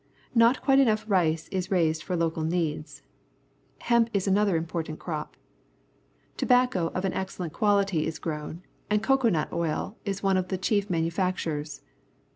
Not quite enough rice is raised for local needs. Hemp is another important crop. Tobacco of an excellent qualitj^ is grown, and cocoa nut oil is one of the chief manufactures.